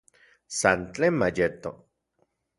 San tlen mayeto